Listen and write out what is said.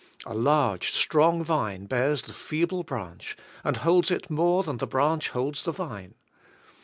A large, strong vine bears the feeble branch, and holds it more than the branch holds the vine.